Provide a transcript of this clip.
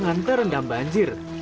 dengan terendam banjir